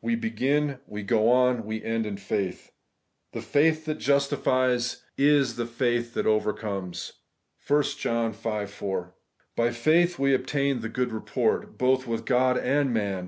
We begin, we go on, we end in faith. The faith that justifies is the faith that overcomes (1 John v. 4). By faith we obtain the * good report ' both with God and man.